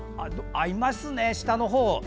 いますね、下のほう！